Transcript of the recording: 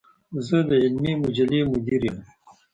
زۀ د علمي مجلې مدير يم.